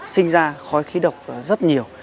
sinh ra khói khí độc rất nhiều